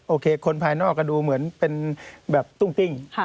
คนภายนอกก็ดูเหมือนเป็นแบบตุ้งติ้ง